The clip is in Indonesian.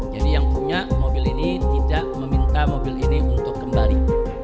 jadi yang punya mobil ini tidak meminta mobil ini untuk kembali